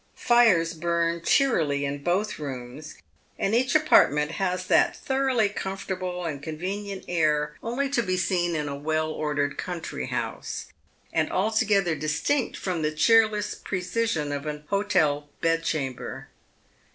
Fires bum cheerily in both rooms, and each apartment has that thoroughly comfortable and convenient air only to be seen in a well ordered countiy house, and altogether distinct fi om the cheerless precision of an hotel bedchamber.